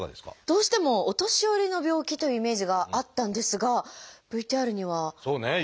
どうしてもお年寄りの病気というイメージがあったんですがＶＴＲにはそうね